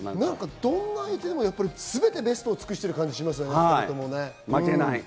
どんな相手にも全てベストを尽くしてる感じがするよね。